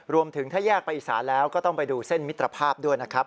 รวมถึงถ้าแยกไปอีสานแล้วก็ต้องไปดูเส้นมิตรภาพด้วยนะครับ